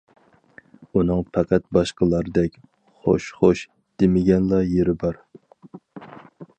ئۇنىڭ پەقەت باشقىلاردەك «خوش-خوش» دېمىگەنلا يېرى بار.